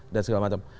dan segala macam